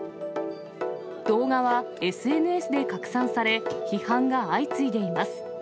動画はＳＮＳで拡散され、批判が相次いでいます。